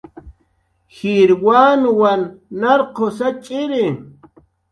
Jir wanwan narqus atx'iri